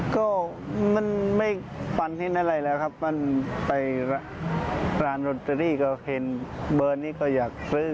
ก็มันไม่ฟันเห็นอะไรแล้วครับมันไปร้านโรตเตอรี่ก็เห็นเบอร์นี้ก็อยากซื้อ